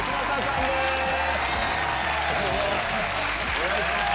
お願いします。